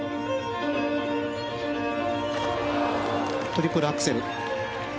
トリプルアクセル。